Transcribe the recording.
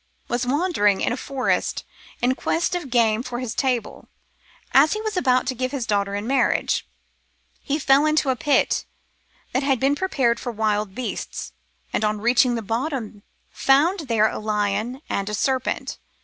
291 Curiosities of Olden Times wandering in a forest in quest of game for his table, as he was about to give his daughter in marriage. He fell into a pit that had been prepared for wild beasts, and on reaching the bottom found there a lion and a serpent.